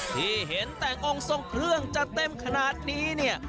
ที่เห็นแต่งองค์ทรงเครื่องจะเต็มขนาดนี้เนี่ย